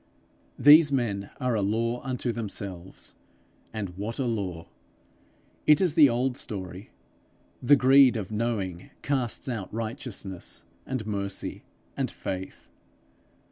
These men are a law unto themselves and what a law! It is the old story: the greed of knowing casts out righteousness, and mercy, and faith.